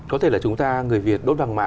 có thể là chúng ta người việt đốt vàng mã